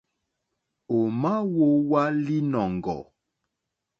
Ò ma wowa linɔ̀ŋgɔ̀?